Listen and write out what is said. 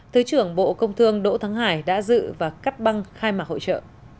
thứ trưởng bộ công thương đỗ thắng hải đã dự và cắt băng khai mạc hội trợ